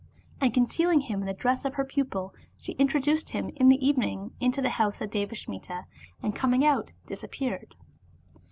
And concealing him in the dress of her pupil, she introduced him in the evening into the house of Devasmita, and coming out, disappeared.